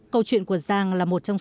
câu chuyện của giang là một trong số